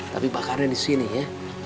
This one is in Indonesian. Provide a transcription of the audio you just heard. tapi pakarnya di sini ya